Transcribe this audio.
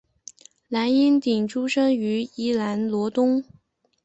蓝荫鼎出生于宜兰罗东